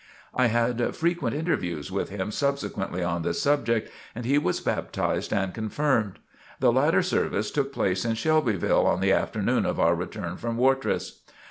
I had frequent interviews with him subsequently on the subject and he was baptized and confirmed. The latter service took place in Shelbyville, on the afternoon of our return from Wartrace.